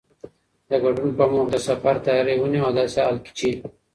د ګډون په موخه د سفر تیاری ونیوه او داسې حال کې چې